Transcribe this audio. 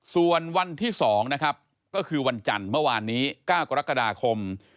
ส่วนวันที่๒นะครับก็คือวันจันทร์เมื่อวานนี้๙กรกฎาคม